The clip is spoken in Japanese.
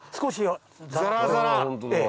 ザラザラ！